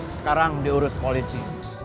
sekarang diurut polisi